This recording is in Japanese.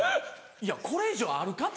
いやこれ以上あるか？と。